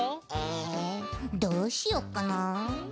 えどうしよっかな。